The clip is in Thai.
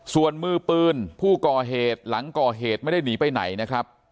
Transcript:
ส่วนมือปืนผู้ก่อเหตุหลังก่อเหตุไม่ได้หนีไปไหนนะครับ